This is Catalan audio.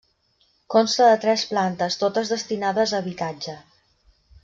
Consta de tres plantes, totes destinades a habitatge.